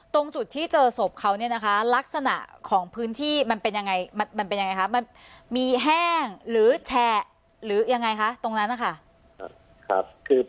ตรงจุดที่เจอศพเขาลักษณะของพื้นที่มันมีแห้งหรือแช่